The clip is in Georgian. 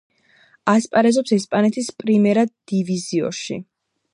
ასპარეზობს ესპანეთის პრიმერა დივიზიონში.